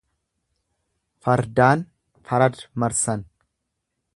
Fardaan farad marsan.